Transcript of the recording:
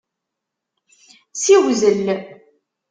Ssiwzel.